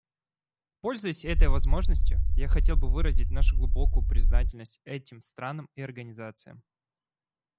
Пользуясь этой возможностью, я хотел бы выразить нашу глубокую признательность этим странам и организациям.